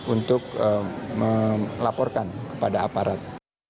untuk melaporkan kepada aparat